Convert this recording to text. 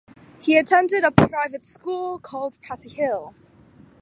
He attended a private school called Patty Hill.